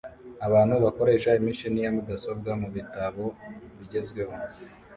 Abantu bakoresha imashini ya mudasobwa mubitabo bigezweho